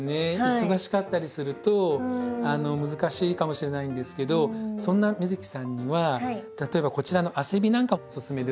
忙しかったりすると難しいかもしれないんですけどそんな美月さんには例えばこちらのアセビなんかおすすめですね。